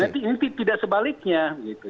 nanti ini tidak sebaliknya gitu